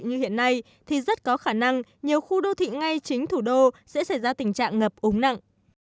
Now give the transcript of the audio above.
như hiện nay thì rất có khả năng nhiều khu đô thị ngay chính thủ đô sẽ xảy ra tình trạng ngập úng nặng